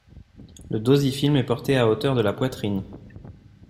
Le dosifilm est porté à hauteur de la poitrine.